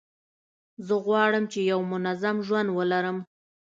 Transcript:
زه غواړم چي یو منظم ژوند ولرم.